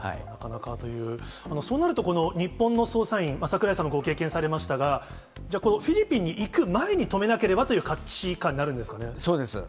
そうなると、この日本の捜査員、櫻井さんもご経験されましたが、じゃあ、このフィリピンに行く前に止めなければという価値観になるんですそうです。